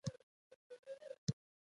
نعماني صاحب په غېږ کښې ټينګ کړم.